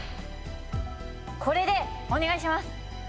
これでお願いします。